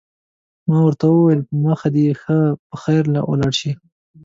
ما ورته وویل: په مخه دې ښه، په خیر ولاړ شه.